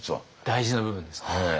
大事な部分です。